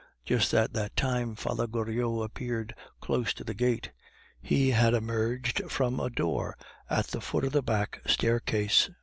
Just at that moment Father Goriot appeared close to the gate; he had emerged from a door at the foot of the back staircase.